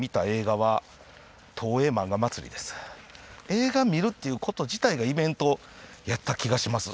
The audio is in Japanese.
映画見るっていうこと自体がイベントやった気がします。